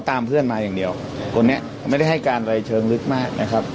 ตามเพื่อนมาอย่างเดียวคนนี้ไม่ได้ให้การอะไรเชิงลึกมากนะครับ